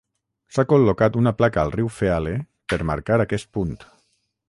S'ha col·locat una placa al riu Feale per marcar aquest punt.